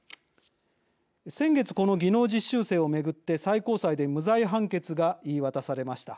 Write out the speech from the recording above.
先月、この技能実習生を巡って最高裁で無罪判決が言い渡されました。